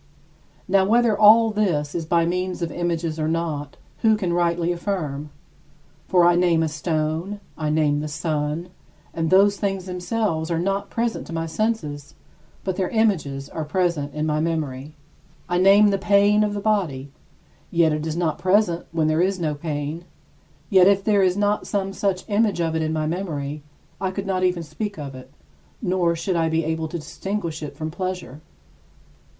Now whether all this is by means of images or not, who can rightly affirm? For I name a stone, I name the sun, and those things themselves are not present to my senses, but their images are present in my memory. I name some pain of the body, yet it is not present when there is no pain; yet if there were not some such image of it in my memory, I could not even speak of it, nor should I be able to distinguish it from pleasure.